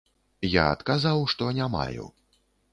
Я адказаў, што не маю.